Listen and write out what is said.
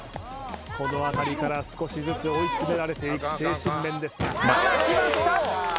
このあたりから少しずつ追い詰められていく精神面ですが７きました！